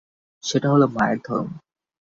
সেটা হল মায়ের ধর্ম।